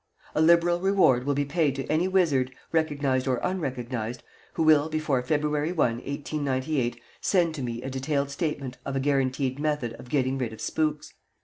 A liberal reward will be paid to any wizard, recognized or unrecognized, who will, before February I, 1898, send to me a detailed statement of a GUARANTEED METHOD of getting rid of SPOOKS.